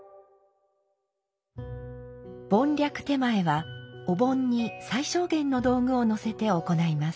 盆略点前はお盆に最小限の道具をのせて行います。